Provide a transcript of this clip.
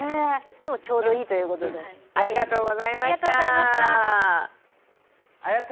ちょうどいいということで、ありがとうございました。